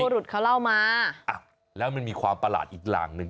รุษเขาเล่ามาอ่ะแล้วมันมีความประหลาดอีกหลังหนึ่ง